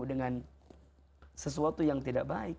dengan sesuatu yang tidak baik